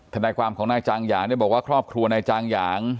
ทนายความของนายจางหยางเนี่ยบอกว่าครอบครัวนายจางหยาง